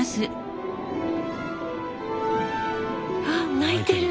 あっ泣いてる。